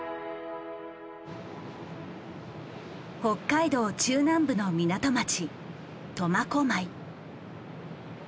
北海道中南部の港町苫小牧。